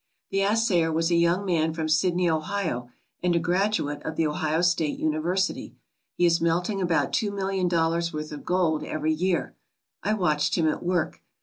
The assayer was a young man from Sidney, Ohio, and a graduate of the Ohio State University. He is melting about two million dollars' worth of gold every year. I watched him at work.